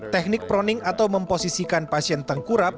teknik proning atau memposisikan pasien tengkurap